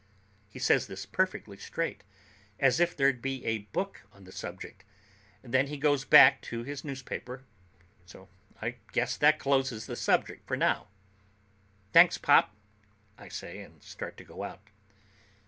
He says this perfectly straight, as if there'd be a book on the subject. Then he goes back to his newspaper, so I guess that closes the subject for now. "Thanks, Pop," I say and start to go out.